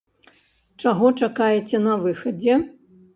Чаго чакаеце на выхадзе?